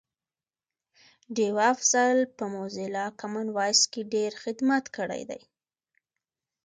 ډیوه افضل په موزیلا کامن وایس کی ډېر خدمت کړی دی